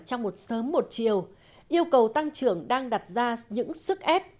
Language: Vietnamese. trong một sớm một chiều yêu cầu tăng trưởng đang đặt ra những sức ép